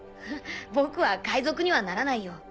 僕は海賊にはならないよ。